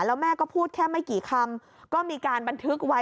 แล้วแม่ก็พูดแค่ไม่กี่คำก็มีการบันทึกไว้